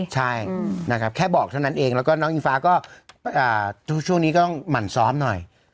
ใช่นะครับแค่บอกเท่านั้นเองแล้วก็น้องอิงฟ้าก็ช่วงนี้ก็หมั่นซ้อมหน่อย